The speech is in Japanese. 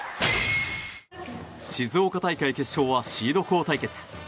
静岡大会決勝はシード校対決。